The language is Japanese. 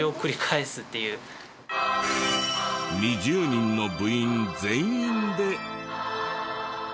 ２０人の部員全員で。